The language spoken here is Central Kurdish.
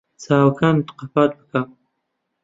چاوەکانت قەپات بکە.